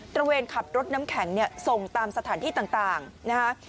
ระเวนขับรถน้ำแข็งเนี่ยส่งตามสถานที่ต่างนะฮะ